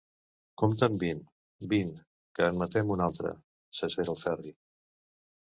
Compta'n vint, vint, que en matem una altra! –s'esvera el Ferri.